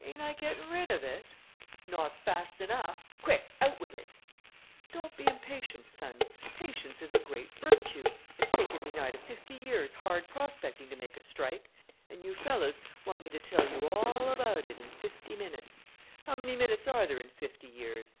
"Ain't I getting rid of it?" "Not fast enough; quick, out with it!" "Don't be impatient, sons, patience is a great virtue. It's taken me nigh to fifty years' hard prospecting to make a strike and you fellows want me to tell you all about it in fifty minutes! How many minutes are there in fifty years?"